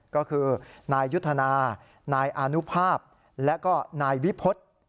ก็คือนายยุทธนานายอานุภาพและก็นายวิพฤษ